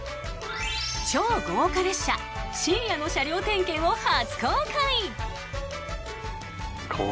超豪華列車深夜の車両点検を初公開。